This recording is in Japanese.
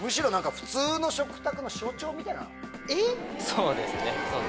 そうですね。